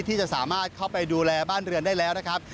ที่จะสามารถเข้าไปดูแลบ้านเรือนได้แล้วนะครับ